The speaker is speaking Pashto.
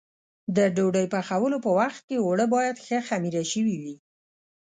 د دې ډوډۍ پخولو په وخت کې اوړه باید ښه خمېره شوي وي.